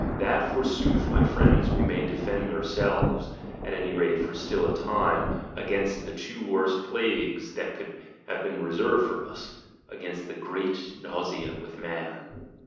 that, for sooth, my friends, we may defend ourselves, at any rate for still a time, against the two worst plagues that could have been reserved for us — against the great nausea with man!